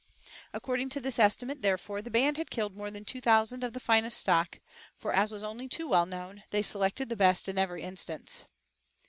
According to this estimate, therefore, the band had killed more than two thousand of the finest stock, for, as was only too well known, they selected the best in every instance.